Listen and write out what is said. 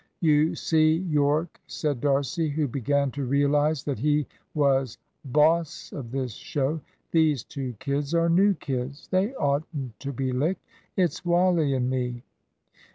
"You see, Yorke," said D'Arcy, who began to realise that he was "boss of this show," "these two kids are new kids; they oughtn't to be licked; it's Wally and me."